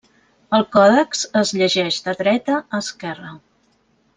El còdex es llegeix de dreta a esquerra.